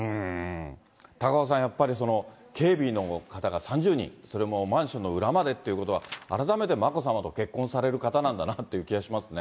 高岡さん、やっぱりその警備の方が３０人、それもマンションの裏までっていうことは、改めて眞子さまと結婚される方なんだなという気がしますね。